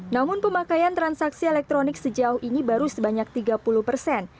namun pemakaian transaksi elektronik sejauh ini baru sebanyak tiga puluh persen